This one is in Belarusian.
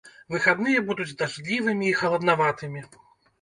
Выхадныя будуць дажджлівымі і халаднаватымі.